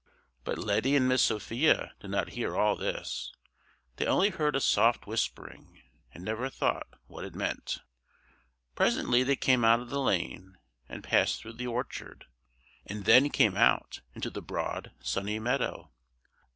But Letty and Miss Sophia did not hear all this; they only heard a soft whispering, and never thought what it meant. Presently they came out of the lane, and passed through the orchard, and then came out into the broad, sunny meadow.